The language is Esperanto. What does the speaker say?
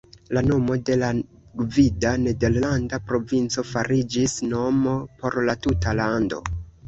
La nomo de la gvida nederlanda provinco fariĝis nomo por la tuta lando.